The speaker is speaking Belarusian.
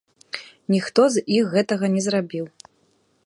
Ніхто з іх гэтага не зрабіў.